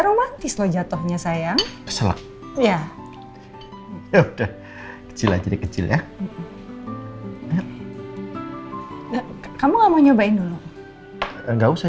romantis lo jatuhnya sayang selak ya ya udah kecil aja kecil ya kamu mau nyobain dulu enggak usah